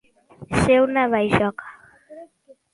Ser una bajoca.